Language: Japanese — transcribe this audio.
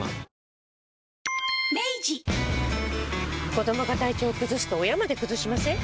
子どもが体調崩すと親まで崩しません？